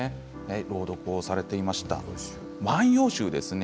朗読をされていました「万葉集」ですね。